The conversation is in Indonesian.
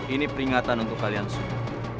ini peringatan untuk kalian semua